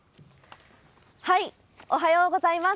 おはようございます。